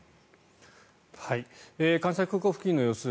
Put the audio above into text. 関西空港付近の様子